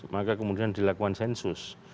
maka kemudian dilakukan sensus